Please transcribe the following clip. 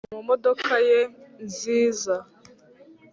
bose mumodoka ye nziza